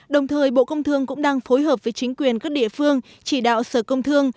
đồng thời bộ công thương cũng đang phối hợp với chính quyền các địa phương chỉ đạo sở công thương